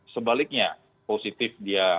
sebaliknya positif dia